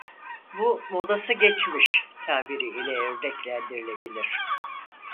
Bu "modası geçmiş" tabiri ile örneklendirilebilir.